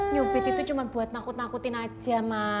nyubit itu cuma buat nakut nakutin aja mah